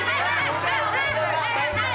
damai damai damai damai